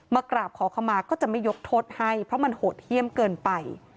มากราบขอขมาก็จะไม่ยกโทษให้เพราะมันโหดเยี่ยมเกินไป